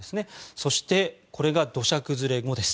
そして、土砂崩れ後です。